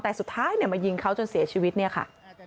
แต่สุดท้ายมายิงเขาจนเสียชีวิตเนี่ยค่ะ